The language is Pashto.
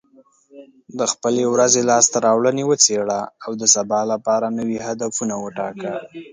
د خپلې ورځې لاسته راوړنې وڅېړه، او د سبا لپاره نوي هدفونه وټاکه.